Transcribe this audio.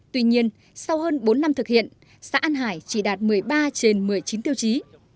tuy nhiên sau hơn bốn năm thực hiện xã an hải chỉ đạt một mươi ba trên một mươi chín tiêu chí